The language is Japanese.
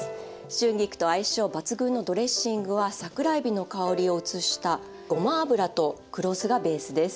春菊と相性抜群のドレッシングは桜えびの香りを移したごま油と黒酢がベースです。